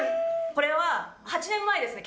これは８年前ですね。